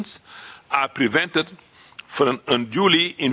dihapus dari penggunaan proses pilihan